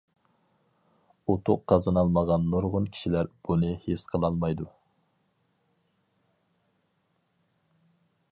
ئۇتۇق قازىنالمىغان نۇرغۇن كىشىلەر بۇنى ھېس قىلالمايدۇ.